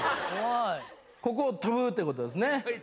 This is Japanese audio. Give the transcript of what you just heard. ここを飛ぶってことですね？